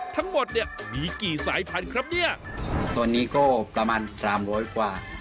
ทั้งหมดเนี่ยมีกี่สายพันธุ์ครับเนี่ยตอนนี้ก็ประมาณสามร้อยกว่า